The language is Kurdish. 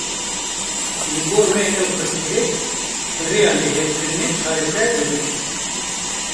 Li gor me ew pirsgirêk, bi riya lihevkirinê çareser dibin